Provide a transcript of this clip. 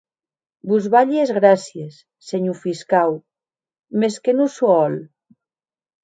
Vos balhi es gràcies, senhor fiscau, mès que non sò hòl.